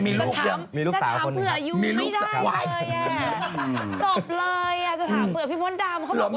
มีลูกสาวมีลูกสาวเหมือนคนหนึ่งครับจบเลยสถามเผื่ออยู่ไม่ได้เลย